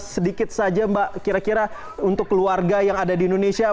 sedikit saja mbak kira kira untuk keluarga yang ada di indonesia